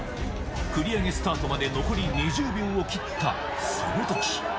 繰り上げスタートまで残り２０秒を切った、そのとき。